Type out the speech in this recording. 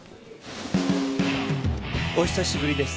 お久しぶりです